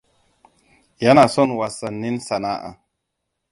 Yana son wasannin sana'a.